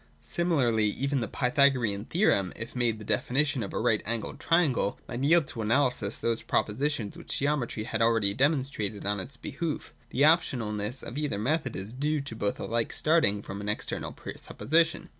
Similarly even the Pythagorean theorem, if made the definition of a right angled triangle, might yield to analysis those propositions which geometry had already demonstrated on its be hoof The optionalness of either method is due to both alike starting from an external pre supposition.